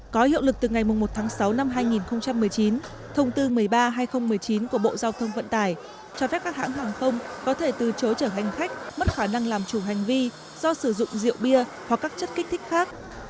có hiệu lực từ ngày một tháng sáu năm hai nghìn một mươi chín thông tư một mươi ba hai nghìn một mươi chín của bộ giao thông vận tải cho phép các hãng hàng không có thể từ chối chở hành khách mất khả năng làm chủ hành vi do sử dụng rượu bia hoặc các chất kích thích khác